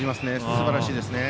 すばらしいですね。